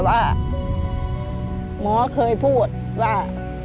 ว่าหมอเคยพูดว่า